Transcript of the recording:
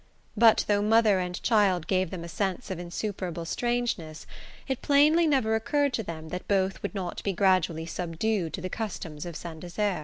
But though mother and child gave them a sense of insuperable strangeness, it plainly never occurred to them that both would not be gradually subdued to the customs of Saint Desert.